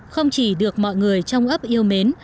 không chỉ được mọi người trong ấp yêu mến